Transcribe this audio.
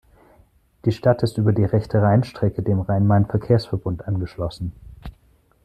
Die Stadt ist über die rechte Rheinstrecke dem Rhein-Main-Verkehrsverbund angeschlossen.